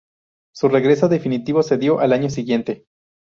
Su regreso definitivo se dio al año siguiente.